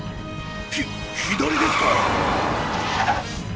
ひ左ですかい！？